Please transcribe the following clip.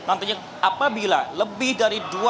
apabila lebih dari dua puluh